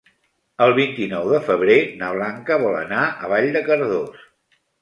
El vint-i-nou de febrer na Blanca vol anar a Vall de Cardós.